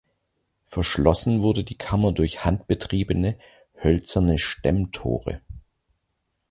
Verschlossen wurde die Kammer durch handbetriebene hölzerne Stemmtore.